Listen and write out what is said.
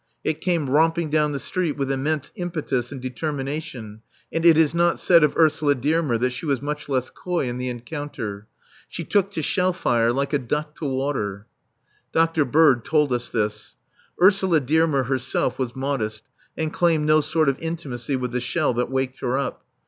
It came romping down the street with immense impetus and determination; and it is not said of Ursula Dearmer that she was much less coy in the encounter. She took to shell fire "like a duck to water." Dr. Bird told us this. Ursula Dearmer herself was modest, and claimed no sort of intimacy with the shell that waked her up.